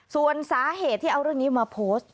ส่วนสาเหตุที่เอาเรื่องนี้มาโพสต์